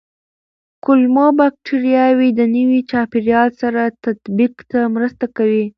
کولمو بکتریاوې د نوي چاپېریال سره تطابق ته مرسته کوي.